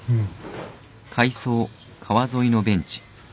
うん。